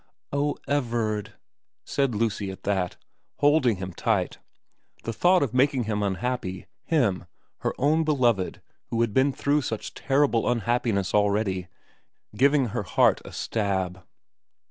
* Oh, Everard ' said Lucy at that, holding him tight, the thought of making him unhappy, him, her own beloved who had been through such terrible un happiness already, giving her heart a stab.